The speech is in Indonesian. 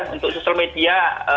untuk sosial media